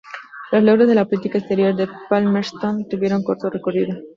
Los logros de la política exterior de Palmerston tuvieron corto recorrido.